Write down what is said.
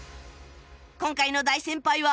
今回の大先輩は